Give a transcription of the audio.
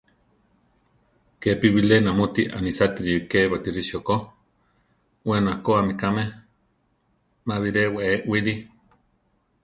Kepi bilé namúti anisátiri ké Batirisio ko; we nekóami kame; má biré wée wili.